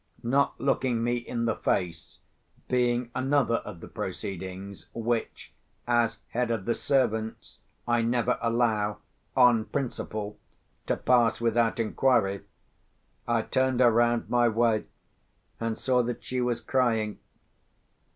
Not looking me in the face being another of the proceedings, which, as head of the servants, I never allow, on principle, to pass without inquiry—I turned her round my way, and saw that she was crying.